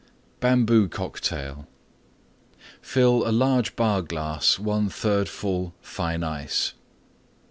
BAMBOO COCKTAIL Fill large Bar glass 1/3 full Fine Ice.